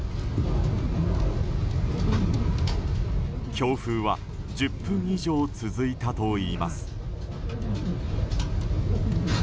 強風は１０分以上続いたといいます。